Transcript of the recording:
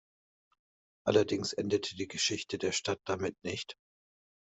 Allerdings endete die Geschichte der Stadt damit nicht.